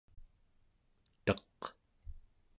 teq